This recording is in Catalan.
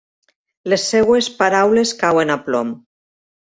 Les seves paraules cauen a plom.